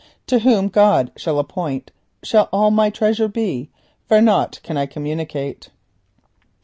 To whom God shall appoint shall all my treasure be, for nought can I communicate.